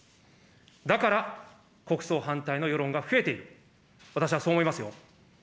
だから国葬反対の世論が増えている、私はそう思いますよ。